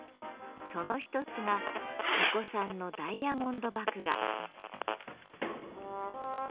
その一つがチェコ産のダイヤモンド麦芽。